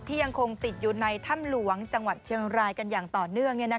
ยังคงติดอยู่ในถ้ำหลวงจังหวัดเชียงรายกันอย่างต่อเนื่อง